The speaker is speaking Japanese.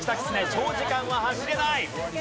長時間は走れない！